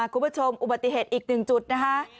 คุณผู้ชมอุบัติเหตุอีกหนึ่งจุดนะคะ